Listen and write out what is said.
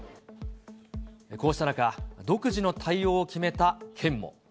こうした中、独自の対応を決めた県も。